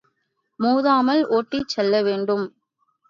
மோதாமல் ஓட்டிச் செல்லவேண்டும்.